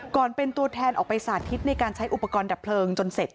เป็นตัวแทนออกไปสาธิตในการใช้อุปกรณ์ดับเพลิงจนเสร็จ